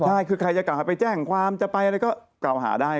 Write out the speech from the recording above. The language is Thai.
ใช่คือใครจะกล่าวหาไปแจ้งความจะไปอะไรก็กล่าวหาได้